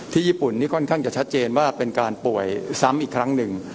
ญี่ปุ่นนี่ค่อนข้างจะชัดเจนว่าเป็นการป่วยซ้ำอีกครั้งหนึ่ง